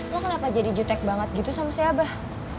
lo kenapa jadi jutek banget gitu sama si abah